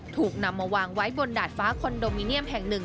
ถูกนำมาวางไว้บนดาดฟ้าคอนโดมิเนียมแห่งหนึ่ง